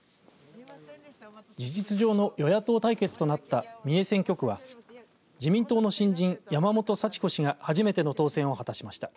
事実上の与野党対決となった三重選挙区は自民党の新人、山本佐知子氏が初めての当選を果たしました。